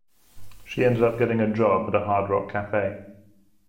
She ended up getting a job at a Hard Rock Cafe.